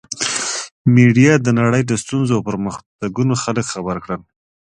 میډیا د نړۍ له ستونزو او پرمختګونو خلک خبر کړل.